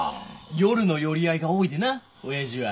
夜の寄り合いが多いでなおやじは。